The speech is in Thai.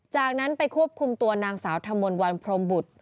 จากนั้นไปควบคุมตัวนางสาวธมนต์วันพรมบุตร